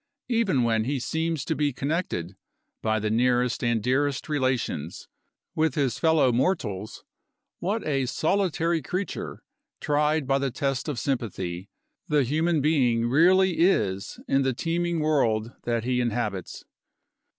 Even when he seems to be connected, by the nearest and dearest relations, with his fellow mortals, what a solitary creature, tried by the test of sympathy, the human being really is in the teeming world that he inhabits!